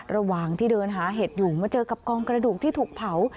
ระหว่างที่เดินหาเห็ดอยู่มาเจอกับกองกระดูกที่ถูกเผา